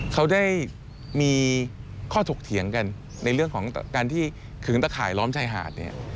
เขาได้มีข้อถกเถียงกันในเรื่องของการที่ขึงตะข่ายล้อมชายหาดเนี่ย